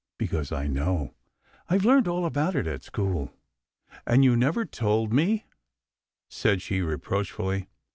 " Because I know. I've learnt all about it at school." "And you never told me," said she reproach fully.